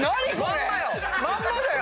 まんまよ。